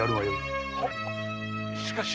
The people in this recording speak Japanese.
しかし。